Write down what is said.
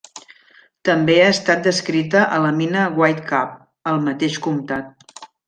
També ha estat descrita a la mina White Cap, al mateix comtat.